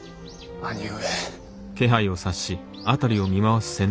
兄上。